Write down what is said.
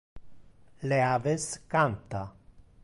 Le aves canta.